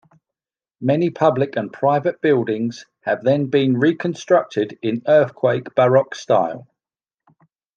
Many public and private buildings have then been reconstructed in earthquake Baroque style.